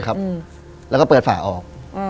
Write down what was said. ครับแล้วก็เปิดฝ่าออก